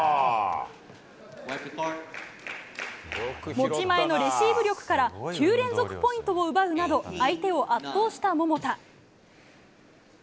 持ち前のレシーブ力から９連続ポイントを奪うなど相手を圧倒した桃田。